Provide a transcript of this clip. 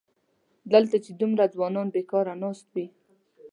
دلته چې دومره ځوانان بېکاره ناست وي.